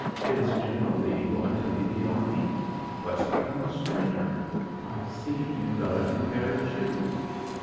Is General Lee going to lead the army? What's become of Springer? I see you've got a new pair of shoes."